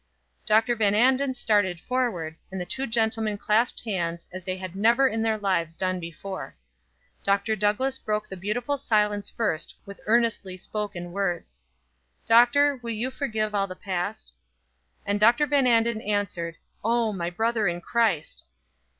Dr. Van Anden started forward, and the two gentlemen clasped hands as they had never in their lives done before. Dr. Douglass broke the beautiful silence first with earnestly spoken words: "Doctor, will you forgive all the past?" And Dr. Van Anden answered: "Oh, my brother in Christ!"